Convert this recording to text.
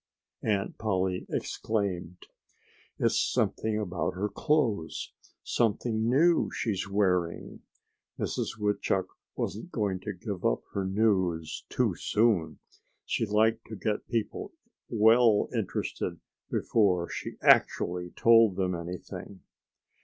Aunt Polly exclaimed. "It's something about her clothes something new she's wearing." Mrs. Woodchuck wasn't going to give up her news too soon. She liked to get people well interested before she actually told them anything.